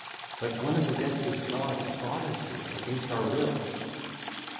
But one of the deathless gods brought us here against our will.' (ll.